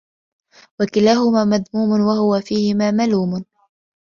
وَكِلَاهُمَا مَذْمُومٌ ، وَهُوَ فِيهِمَا مَلُومٌ